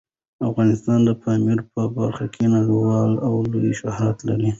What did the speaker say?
افغانستان د پامیر په برخه کې نړیوال او لوی شهرت لري.